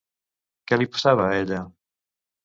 Què li passava a ella?